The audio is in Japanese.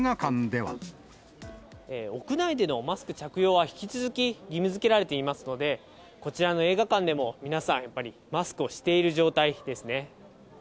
屋内でのマスク着用は、引き続き義務づけられていますので、こちらの映画館でも、皆さん、やっぱりマスクをしている状態ですね。